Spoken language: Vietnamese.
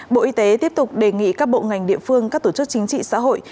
bộ y tế tiếp tục đề nghị các bộ ngành địa phương các tổ chức chính trị xã hội